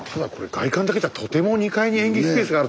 外観だけじゃとても２階に演劇スペースがあるとは思えない。